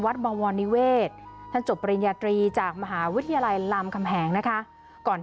วัดบังวลนิเวศจบปริญญาทรีย์จากมหาวิทยาลัยลำคำแหงนะคะก่อน